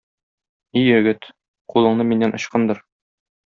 И егет, кулыңны миннән ычкындыр.